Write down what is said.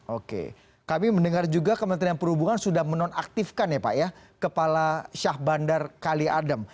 oke kami mendengar juga kementerian perhubungan sudah menonaktifkan ya pak ya kepala syah bandar kali adem